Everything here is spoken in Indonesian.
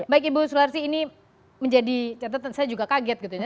baik ibu sularsi ini menjadi catatan saya juga kaget gitu ya